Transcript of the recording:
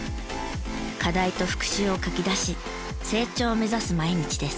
課題と復習を書き出し成長を目指す毎日です。